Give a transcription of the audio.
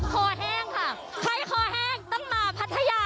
คอแห้งค่ะใครคอแห้งต้องมาพัทยา